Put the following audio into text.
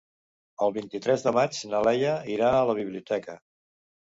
El vint-i-tres de maig na Laia irà a la biblioteca.